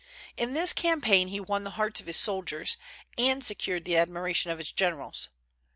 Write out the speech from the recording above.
In this campaign he won the hearts of his soldiers, and secured the admiration of his generals.